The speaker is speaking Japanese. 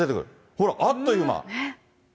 ほら、あっという間。